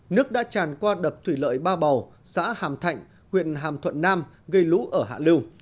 nước đã tràn qua đập thủy lợi ba bầu xã hàm thạnh huyện hàm thuận nam gây lũ ở hạ lưu